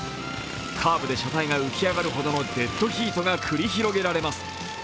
カーブで車体が浮き上がるほどのデッドヒートが繰り広げられます。